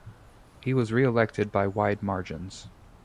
He was re-elected by wide margins.